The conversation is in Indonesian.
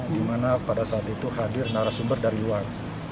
di mana pada saat itu hadir narasumber dari luar